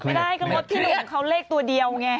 ไม่ได้กันรถที่หลุมเขาเลขตัวเดียวไง